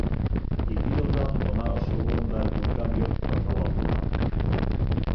Ике йылдан бына ошо урында күркәм йорт һатып алдылар.